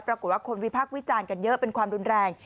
ปรากฏว่าคนวิพักษ์วิจารณ์กันเยอะเป็นความรุนแรง